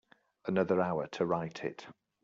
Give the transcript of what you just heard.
Another hour to write it.